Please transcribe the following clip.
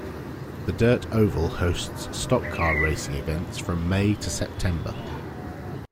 The dirt oval hosts stock car racing events from May to September.